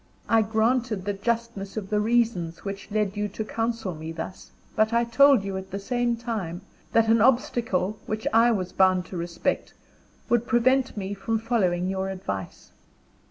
I granted the justness of the reasons which led you to counsel me thus; but I told you, at the same time, that an obstacle, which I was bound to respect, would prevent me from following your advice.